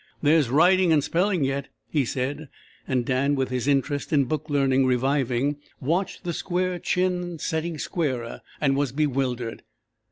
"There's writing and spelling yet," he said, and Dan, with his interest in booklearning reviving, watched the square chin setting squarer, and was bewildered.